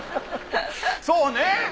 そうね！